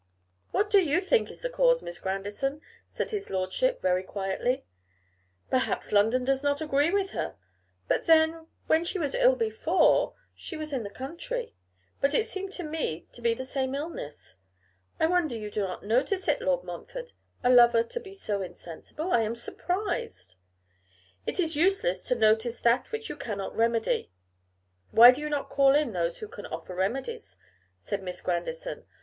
'What do you think is the cause, Miss Grandison?' said his lordship, very quietly. 'Perhaps London does not agree with her; but then, when she was ill before she was in the country; and it seems to me to be the same illness. I wonder you do not notice it, Lord Montfort. A lover to be so insensible, I am surprised!' 'It is useless to notice that which you cannot remedy.' 'Why do you not call in those who can offer remedies?' said Miss Grandison.